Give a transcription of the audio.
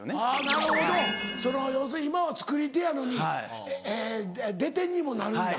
なるほどその要するに今は作り手やのに出てにもなるんだ。